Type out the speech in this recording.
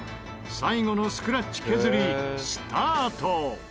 最後のスクラッチ削りスタート！